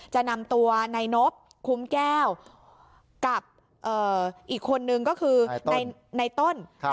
จะนำตัวนายนบคุ้มแก้วกับอีกคนนึงก็คือในต้น